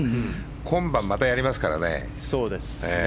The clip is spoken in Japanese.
今晩またやりますからね。